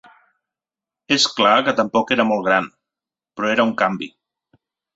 És clar que tampoc era molt gran, però era un canvi.